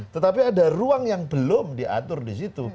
tetapi ada ruang yang belum diatur di situ